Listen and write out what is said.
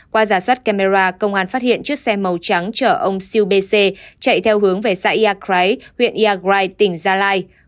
qua giả soát camera công an phát hiện chiếc xe màu trắng chở ông siêu bê xê chạy theo hướng về xã yà cráy huyện yà cráy tỉnh gia lai